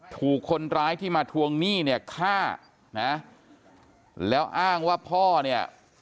ถูกคนร้ายที่มาทวงหนี้เนี่ยฆ่านะแล้วอ้างว่าพ่อเนี่ย